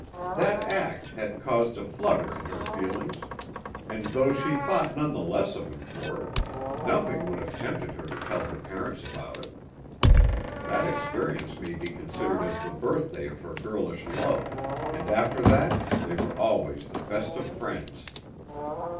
That act had caused a flutter in her feelings, and though she thought none the less of him for it, nothing would have tempted her to tell her parents about it. That experience may be considered as the birthday of her girlish love, and after that they were always the best of friends.